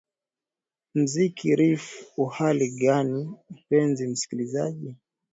muziki rfi u hali gani mpenzi msikilizaji